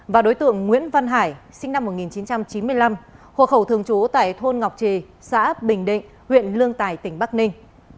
và đối tượng nguyễn văn hải sinh năm một nghìn chín trăm chín mươi năm hộ khẩu thường trú tại thôn ngọc trì xã bình định huyện lương tài tỉnh bắc ninh